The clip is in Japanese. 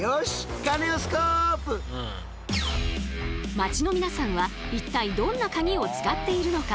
街の皆さんは一体どんなカギを使っているのか？